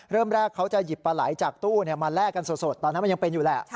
เริ่มแรกเขาจะหยิบปลาไหลจากตู้มาแลกกันสดตอนนั้นมันยังเป็นอยู่แหละ